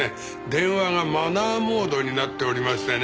電話がマナーモードになっておりましてね。